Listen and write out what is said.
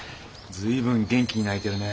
随分元気に泣いてるね。